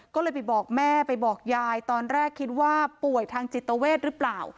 ก็เลยไปบอกแม่ไปบอกยายตอนแรกคิดว่าป่วยทางจิตเวทหรือเปล่า